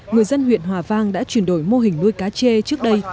người dân huyện hòa vang đã chuyển đổi mô hình nuôi cá chê trước đây